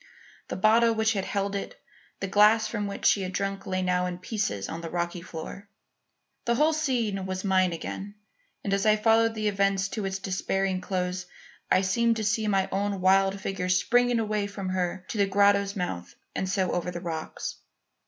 The bottle which had held it; the glass from which she had drunk lay now in pieces on the rocky floor. The whole scene was mine again and as I followed the event to its despairing close, I seemed to see my own wild figure springing away from her to the grotto's mouth and so over the rocks.